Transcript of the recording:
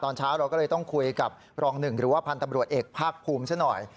ตอนเช้าเราก็เลยต้องคุยกับรองหนึ่งหรือว่าพันธ์ตำรวจเอกภาคภูมิซะหน่อย